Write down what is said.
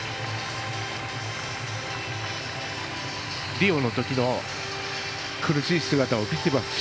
リオのときの苦しい姿を見ていますし。